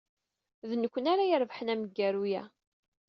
D nekkni ara irebḥen amgaru-a.